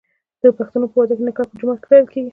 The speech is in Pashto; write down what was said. د پښتنو په واده کې نکاح په جومات کې تړل کیږي.